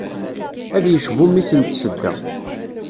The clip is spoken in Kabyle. Ad yecbu mmi-s n tsedda.